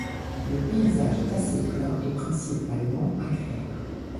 Le paysage est assez plat et principalement agraire.